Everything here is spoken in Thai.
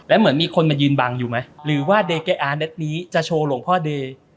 เหมือนมีคนมายืนบังอยู่ไหมหรือว่าเดเกะอาเด็ดนี้จะโชว์หลวงพ่อเดย์